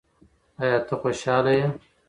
ایا ته خوشاله یې؟